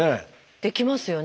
できますよね